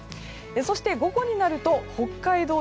そして、午後になると北海道